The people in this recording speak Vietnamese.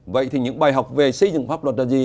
vậy thì những bài học về xây dựng pháp luật là gì